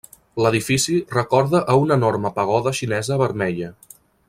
L'edifici recorda a una enorme pagoda xinesa vermella.